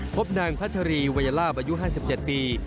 พบนางพระชรีไวยล่าอายุ๕๗ปี